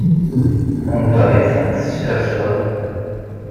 Anda ay tent-tesserseḍ?